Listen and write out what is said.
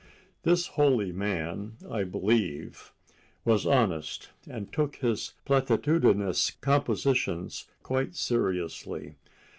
This holy man, I believe, was honest, and took his platitudinous compositions quite seriously.